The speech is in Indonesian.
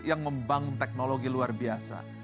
bangun teknologi luar biasa